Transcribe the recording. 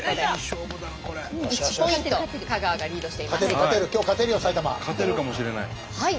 勝てるかもしれない。